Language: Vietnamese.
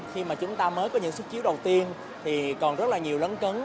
khi mà chúng ta mới có những xuất chiếu đầu tiên thì còn rất là nhiều lấn cấn